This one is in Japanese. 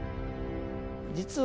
実は。